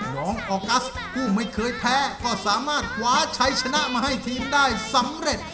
น้องออกัสผู้ไม่เคยแพ้ก็สามารถคว้าชัยชนะมาให้ทีมได้สำเร็จ